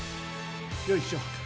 よいしょ。